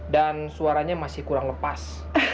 dan suaranya masih kurang lepas